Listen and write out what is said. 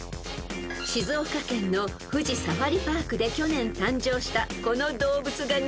［静岡県の富士サファリパークで去年誕生したこの動物が人気］